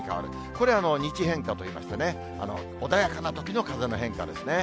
これが日変化といいましてね、穏やかなときの風の変化ですね。